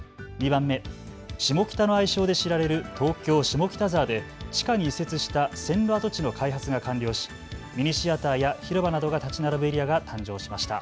２番目、シモキタの愛称で知られる東京下北沢で地下に移設した線路跡地の開発が完了し、ミニシアターや広場などが建ち並ぶエリアが誕生しました。